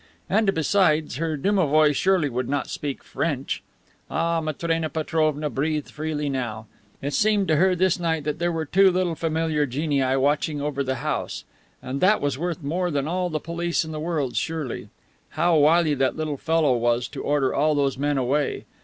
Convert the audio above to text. And besides, her domovoi surely would not speak French. Ah! Matrena Petrovna breathed freely now. It seemed to her, this night, that there were two little familiar genii watching over the house. And that was worth more than all the police in the world, surely. How wily that little fellow was to order all those men away.